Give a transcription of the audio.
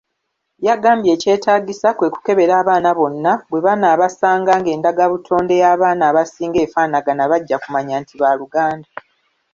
Yagambye ekyetaagisa kwekukebera abaana bonna bwebanaasanga ng'endagabutonde y'abaana abasinga efaanagana bajja kumanya nti baaluganda.